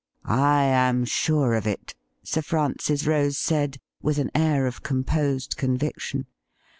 ' I am sm^e of it,' Sir Francis Rose said, with an air of composed conviction.